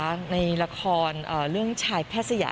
เรื่องหลักภัณฑ์ชายแพร่สยะ